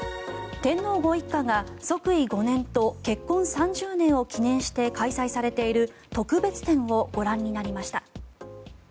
天皇ご一家が即位５年と結婚３０年を記念して開催されている特別展をご覧になりました。